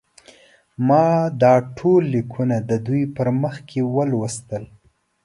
ما دا ټول لیکونه د دوی په مخ کې ولوستل.